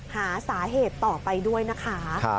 หาสาเหตุต่อไปด้วยนะคะ